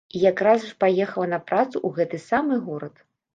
І якраз жа паехала на працу ў гэты самы горад.